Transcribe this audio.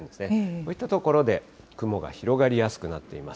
こういった所で雲が広がりやすくなっています。